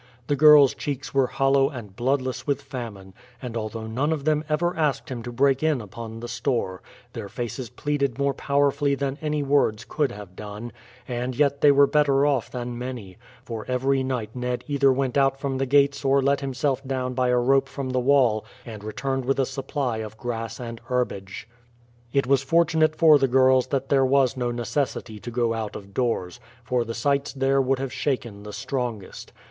The girls' cheeks were hollow and bloodless with famine, and although none of them ever asked him to break in upon the store, their faces pleaded more powerfully than any words could have done; and yet they were better off than many, for every night Ned either went out from the gates or let himself down by a rope from the wall and returned with a supply of grass and herbage. It was fortunate for the girls that there was no necessity to go out of doors, for the sights there would have shaken the strongest.